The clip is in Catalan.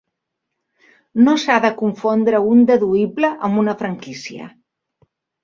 No s'ha de confondre un deduïble amb una franquícia.